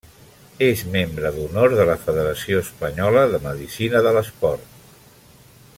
És membre d'honor de la Federació Espanyol de Medicina de l'Esport.